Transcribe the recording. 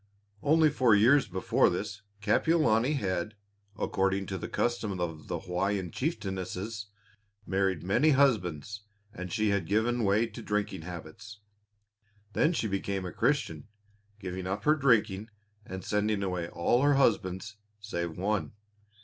Only four years before this, Kapiolani had according to the custom of the Hawaiian chieftainesses, married many husbands, and she had given way to drinking habits. Then she had become a Christian, giving up her drinking and sending away all her husbands save one.